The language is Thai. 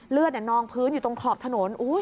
นองพื้นอยู่ตรงขอบถนน